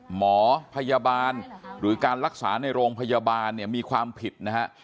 หมอพยาบาลหรือการรักษาในโรงพยาบาลเนี่ยมีความผิดนะฮะ